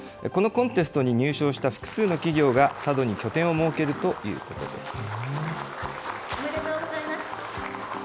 このコンテストに入賞した複数の企業が、佐渡に拠点を設けるということです。